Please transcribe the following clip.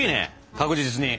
確実に。